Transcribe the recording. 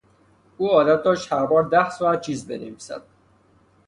او عادت داشت هر بار ده ساعت چیز بنویسد.